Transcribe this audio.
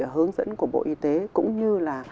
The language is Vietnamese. hướng dẫn của bộ y tế cũng như là